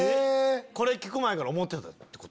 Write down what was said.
これ聴く前から思ってた？